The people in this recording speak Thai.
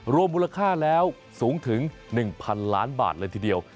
รวมมูลค่าแล้วสูงถึง๑๐๐๐ล้านบาทเลยทีเดียว